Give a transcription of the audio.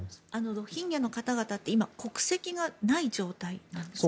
ロヒンギャの方々って国籍がない状態ですか？